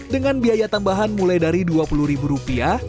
dengan biaya tambahan mulai dari dua puluh ribu rupiah